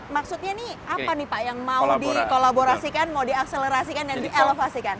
maksudnya ini apa nih pak yang mau dikolaborasikan mau diakselerasikan dan dielevasikan